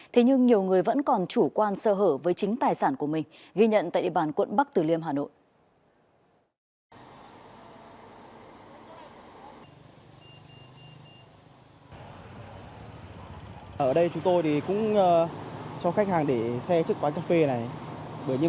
thế nhưng nhiều người vẫn còn chủ quan sơ hở với chính tài sản của mình ghi nhận tại địa bàn quận bắc tử liêm hà nội